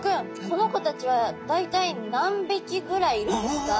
この子たちは大体何匹ぐらいいるんですか？